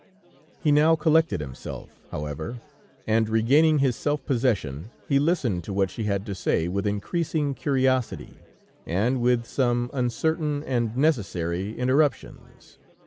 He now collected himself, however, and regaining his self possession, he listened to what she had to say with increasing curiosity, and with some uncertain, and necessary interruptions.